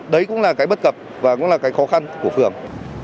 đấy cũng là cái bất cập và cũng là cái khó khăn của phường